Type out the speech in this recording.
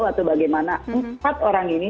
atau bagaimana empat orang ini